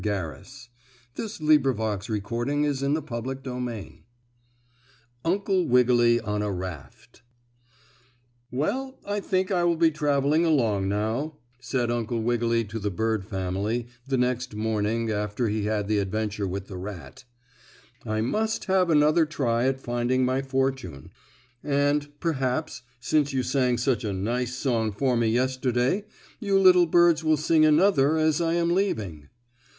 Illustration: Uncle Wiggily and the Big River Rat STORY IV UNCLE WIGGILY ON A RAFT "Well, I think I will be traveling along now," said Uncle Wiggily to the bird family the next morning after he had had the adventure with the rat. "I must have another try at finding my fortune. And, perhaps, since you sang such a nice song for me yesterday, you little birds will sing another as I am leaving."